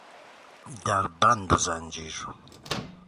در کند و زنجیر